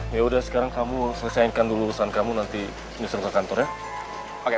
ya udah sekarang kamu selesaikan dulu urusan kamu nanti bisa kantor ya oke